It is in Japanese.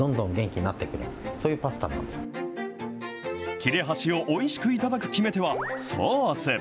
切れ端をおいしく頂く決め手はソース。